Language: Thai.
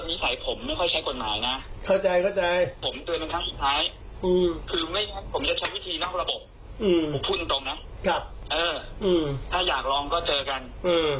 เวลาผมดำเนินคดีผมดำเนินคดีที่๓อย่างว่าเศรษฐ์แบบใต้